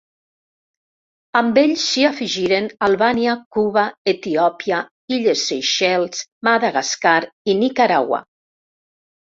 Amb ells s'hi afegiren Albània, Cuba, Etiòpia, illes Seychelles, Madagascar i Nicaragua.